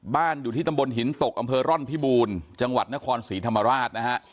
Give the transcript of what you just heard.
อยู่ที่ตำบลหินตกอำเภอร่อนพิบูรณ์จังหวัดนครศรีธรรมราชนะฮะ